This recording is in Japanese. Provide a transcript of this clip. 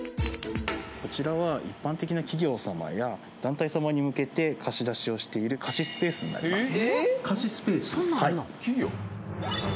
こちらは一般的な企業様や団体様に向けて貸し出しをしている貸しスペースになります